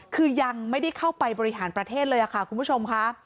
คือยังไม่ได้เข้าไปบริหารประเทศเลยค่ะคุณผู้ชมค่ะ